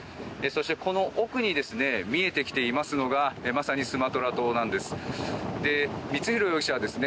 そしてこの奥に見えてきていますのがまさにスマトラ島なんです。